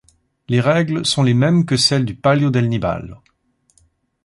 Les règles sont les mêmes que celles du Palio del Niballo.